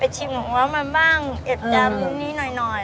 ไปชิมว่ามันบ้างเอ็บแยมนี้หน่อย